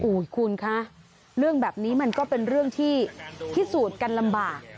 คุณคะเรื่องแบบนี้มันก็เป็นเรื่องที่พิสูจน์กันลำบาก